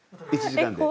１時間で。